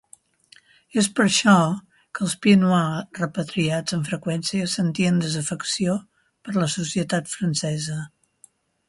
És per això que els pieds-noirs repatriats amb freqüència sentien desafecció per la societat francesa.